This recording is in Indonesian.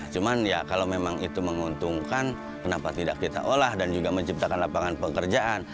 cuman ya kalau memang itu menguntungkan kenapa tidak kita olah dan juga menciptakan lapangan pekerjaan